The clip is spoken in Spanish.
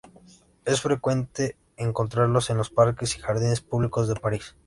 Es frecuente encontrarlos en los parques y jardines públicos de París.